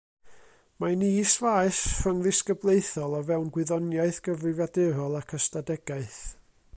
Mae'n is faes rhyngddisgyblaethol o fewn gwyddoniaeth gyfrifiadurol ac ystadegaeth.